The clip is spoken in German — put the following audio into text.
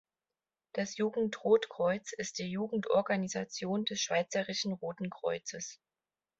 Das Jugendrotkreuz ist die Jugendorganisation des Schweizerischen Roten Kreuzes.